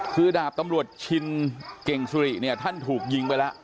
คือดาบตำรวจชินเก่งสุริเนี่ยท่านถูกยิงไปแล้ว